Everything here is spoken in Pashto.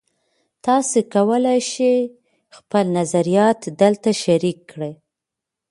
تاسي کولای شئ خپل نظریات دلته شریک کړئ.